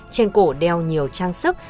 trên cổ đeo nhiều trang sức